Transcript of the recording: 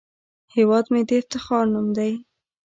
هیواد مې د افتخار نوم دی